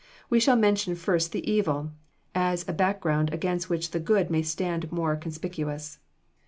We shall mention first the evil, as a back ground against which the good may stand more conspicuous.